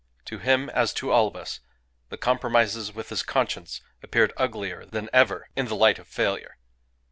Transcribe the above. To him, as to all of us, the compromises with his conscience appeared uglier than ever in the light of failure.